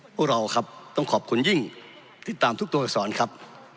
พวกเราต้องขอบคุณยิ่งที่ตามทุกด้วยอักษรครับ